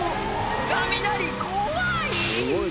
雷怖い！